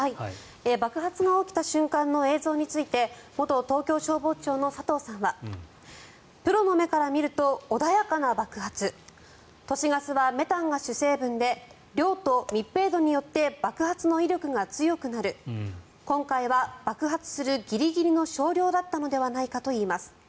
爆発が起きた瞬間の映像について元東京消防庁の佐藤さんはプロの目から見ると穏やかな爆発都市ガスはメタンが主成分で量と密閉度によって爆発の威力が強くなる今回は爆発するギリギリの少量だったのではないかといいます。